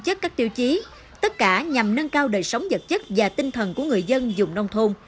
chất các tiêu chí tất cả nhằm nâng cao đời sống vật chất và tinh thần của người dân dùng nông thôn